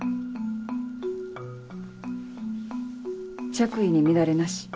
着衣に乱れなし。